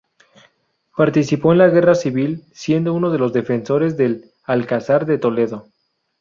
Participó en la Guerra civil, siendo uno de los defensores del Alcázar de Toledo.